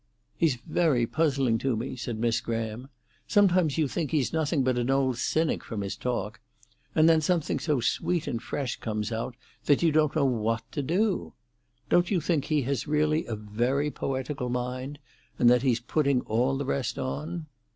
"He's very puzzling to me," said Miss Graham. "Sometimes you think he's nothing but an old cynic, from his talk, and then something so sweet and fresh comes out that you don't know what to do. Don't you think he has really a very poetical mind, and that he's putting all the rest on?"